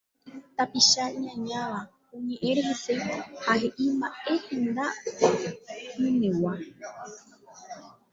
Tapicha iñañáva oñe'ẽre hese ha he'i mba'e henda'ỹmegua.